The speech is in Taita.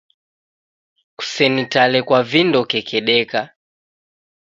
Kusenitale kwa vindo kekedeka